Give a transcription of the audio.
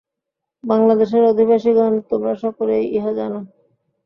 বাঙলা দেশের অধিবাসীগণ, তোমরা সকলেই ইহা জান।